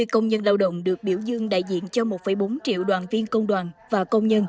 năm mươi công nhân lao động được biểu dương đại diện cho một bốn triệu đoàn viên công đoàn và công nhân